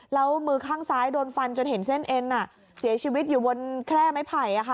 แล้วมือข้างซ้ายโดนฟันจนเห็นเส้นเอ็นเสียชีวิตอยู่บนแคร่ไม้ไผ่